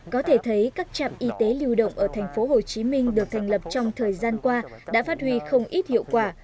có thể thấy các trạm y tế liều động ở thành phố hồ chí minh được thành lập trong thời gian qua đã phát huy không ít hiệu quả